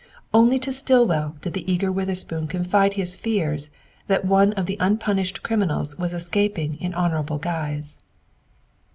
Only to Stillwell did the eager Witherspoon confide his fears that one of the unpunished criminals was escaping in honorable guise.